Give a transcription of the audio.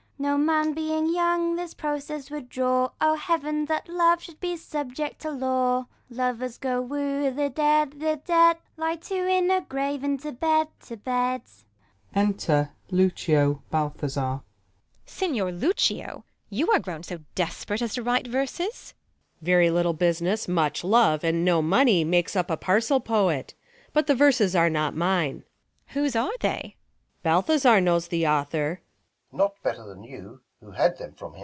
No man being young, his pi'ocess would draw. 0 heavens th;/ love should be subject to law ! Lovers go woo the dead, the dead ! Lye two in a grave, and to bed, to bed ! Enter Lucio, Balthazar. Beat. Signior Lucio, you are grown so desp rate As to write verses 1 Luc. Very little business, much love, And no money makes up a parcel poet. But the verses are not mine. Beat. Whose are they 1 Luc. Balthazar knows the author.